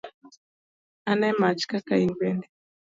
An e mach kaka in bende.